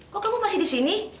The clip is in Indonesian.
kok kamu masih di sini